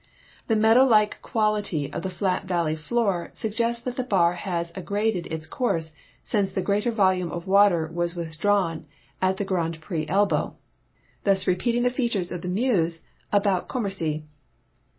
The meadow like (piality of the flat valle}' floor suggests that the Bar has aggraded its course since the greater volume of Avater was AvithdraAvn at the Grand Pre ell)OW, thus re peating the features of the Meuse about Commercy.